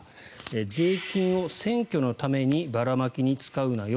税金を選挙のためのばらまきに使うなよ